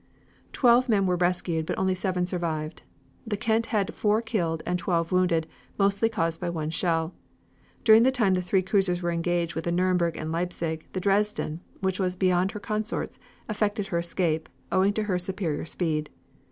"Twelve men were rescued, but only seven survived. The Kent had four killed and twelve wounded, mostly caused by one shell. During the time the three cruisers were engaged with the Nuremburg and Leipzig, the Dresden, which was beyond her consorts, effected her escape, owing to her superior speed.